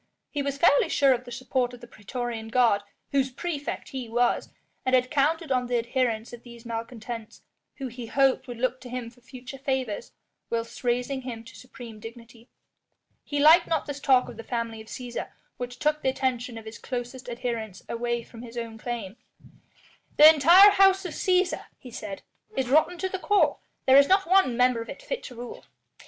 He was fairly sure of the support of the praetorian guard, whose praefect he was, and had counted on the adherence of these malcontents, who he hoped would look to him for future favours whilst raising him to supreme dignity. He liked not this talk of the family of Cæsar which took the attention of his closest adherents away from his own claim. "The entire House of Cæsar," he said, "is rotten to the core. There is not one member of it fit to rule."